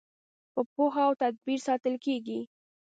په پوهه او تدبیر ساتل کیږي.